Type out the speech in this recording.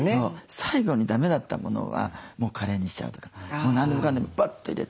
最後にだめだったものはもうカレーにしちゃうとかもう何でもかんでもバッと入れて。